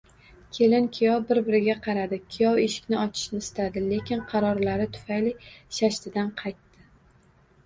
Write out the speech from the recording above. Kelin-kuyov bir-biriga qaradi, kuyov eshikni ochishni istadi, lekin qarorlari tufayli shashtidan qaytdi